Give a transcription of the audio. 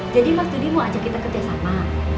jadi mas tudi mau ajak kita kerja sama